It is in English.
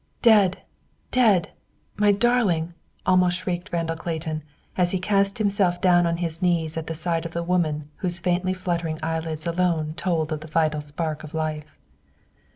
"Dead, dead, my darling!" almost shrieked Randall Clayton as he cast himself down on his knees at the side of the woman whose faintly fluttering eyelids alone told of the vital spark of life.